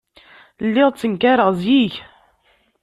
Lliɣ ttenkareɣ zik.